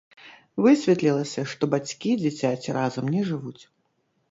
Высветлілася, што бацькі дзіцяці разам не жывуць.